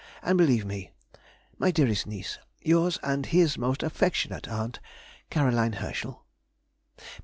and believe me, My dearest niece, Yours and his most affectionate aunt, CAR. HERSCHEL.